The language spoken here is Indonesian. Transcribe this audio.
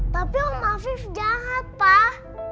tapi om afif jahat pak